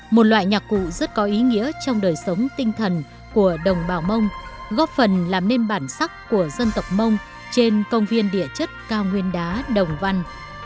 một loại nhạc cụ rất có ý nghĩa trong đời sống tinh thần của đồng bào mông góp phần làm nên bản sắc của dân tộc mông trên công viên địa chất cao nguyên đá đồng văn